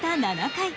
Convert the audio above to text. ７回。